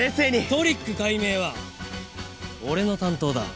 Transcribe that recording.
トリック解明は俺の担当だ。